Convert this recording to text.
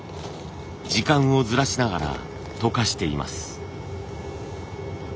時間をずらしながら溶かしています。